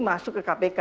masuk ke kpk